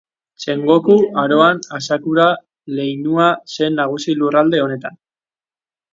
Sengoku Aroan Asakura leinua zen nagusi lurralde honetan.